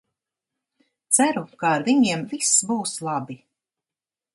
Ceru, ka ar viņiem viss būs labi.